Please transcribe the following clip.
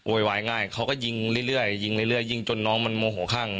โวยวายง่ายเขาก็ยิงเรื่อยเรื่อยยิงเรื่อยเรื่อยยิงจนน้องมันโมโหข้าง